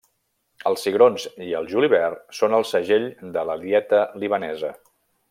Els cigrons i el julivert són el segell de la dieta libanesa.